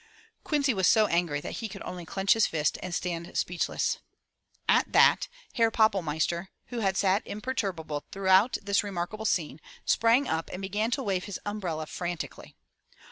Quincy was so angry that he could only clench his fist and stand speechless. At that Herr Pappelmeister, who had sat imperturbable throughout this remarkable scene, sprang up and began to wave his umbrella frantically.